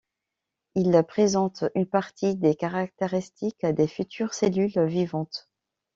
Ils présentent une partie des caractéristiques des futures cellules vivantes.